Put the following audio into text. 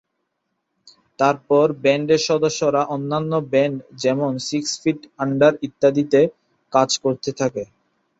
তারপর ব্যান্ডের সদস্যরা অন্যান্য ব্যান্ড যেমন-সিক্স ফিট আন্ডার ইত্যাদিতে কাজ করতে থাকে।